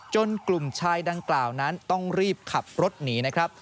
กลุ่มชายดังกล่าวนั้นต้องรีบขับรถหนีนะครับ